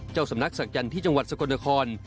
เจ้าสำนักศักยันต์ที่จังหวัดสกลนคร